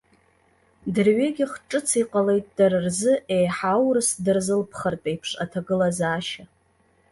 Дырҩегьых ҿыц иҟалеит дара рзы еиҳа аурыс дырзылԥхартә еиԥш аҭагылазаашьа.